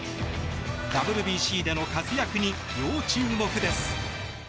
ＷＢＣでの活躍に要注目です。